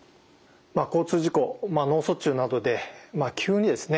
交通事故脳卒中などで急にですね